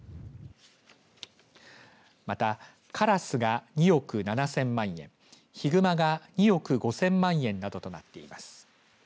また、カラスが２億７０００万円ヒグマが２億５０００万円などとなっています。